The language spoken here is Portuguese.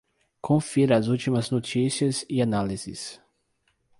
Confira as últimas notícias e análises